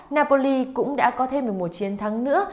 napoli cũng đã có thêm một chiến thắng nữa